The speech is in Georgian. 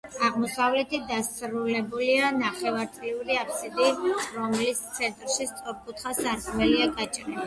აღმოსავლეთით დასრულებულია ნახევარწრიული აბსიდით, რომლის ცენტრში სწორკუთხა სარკმელია გაჭრილი.